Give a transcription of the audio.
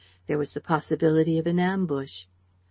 There was the possibility of an ambush.